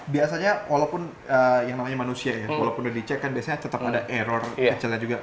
biasanya walaupun yang namanya manusia ya walaupun udah dicek kan biasanya tetap ada error kecilnya juga